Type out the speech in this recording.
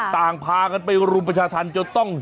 ต่างพากันไปรุมประชาธรรมจนต้อง